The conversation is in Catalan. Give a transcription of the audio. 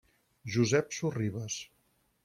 Josep Sorribes.